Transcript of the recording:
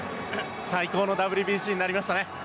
最高のＷＢＣになりましたね。